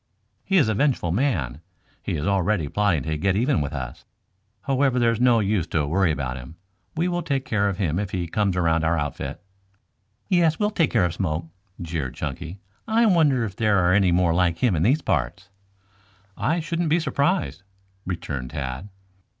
"He is a vengeful man. He is already plotting to get even with us. However, there's no use to worry about him. We will take care of him if he comes around our outfit." "Yes, we'll take care of Smoke," jeered Chunky. "I wonder if there are any more like him in these parts?" "I shouldn't be surprised," returned Tad.